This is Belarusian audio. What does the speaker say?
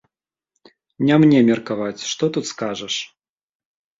Не мне меркаваць, што тут скажаш?!.